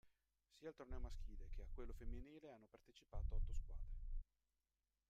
Sia al torneo maschile che a quello femminile hanno partecipato otto squadre.